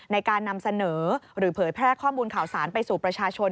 ในการนำเสนอหรือเผยแพร่ข้อมูลข่าวสารไปสู่ประชาชน